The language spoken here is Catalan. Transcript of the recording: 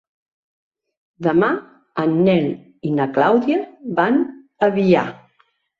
Demà en Nel i na Clàudia van a Biar.